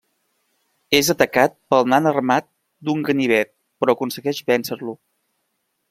És atacat pel nan armat d'un ganivet però aconsegueix vèncer-lo.